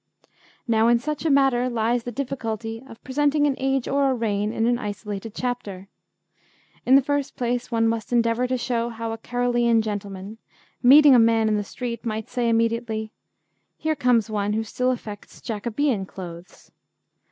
Now in such a matter lies the difficulty of presenting an age or a reign in an isolated chapter. In the first place, one must endeavour to show how a Carolean gentleman, meeting a man in the street, might say immediately, 'Here comes one who still affects Jacobean clothes.'